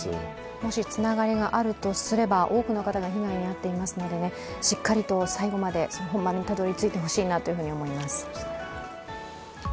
もしつながりがあるとすれば、多くの人が被害に遭っていますのでしっかりと最後まで本丸にたどりついてほしいなと思います。